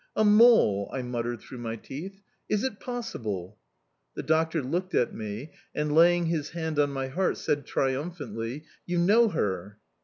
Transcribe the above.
"A mole!" I muttered through my teeth. "Is it possible?" The doctor looked at me, and, laying his hand on my heart, said triumphantly: "You know her!"